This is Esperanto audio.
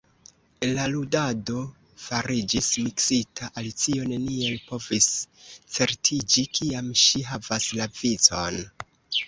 La ludado fariĝis miksita, Alicio neniel povis certiĝi kiam ŝi havas la vicon.